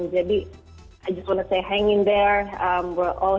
jadi saya hanya ingin mengatakan berada di sana